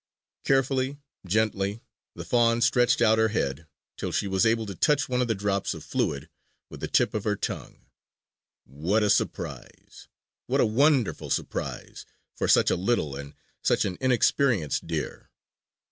Carefully, gently, the fawn stretched out her head till she was able to touch one of the drops of fluid with the tip of her tongue. What a surprise, what a wonderful surprise, for such a little, and such an inexperienced deer!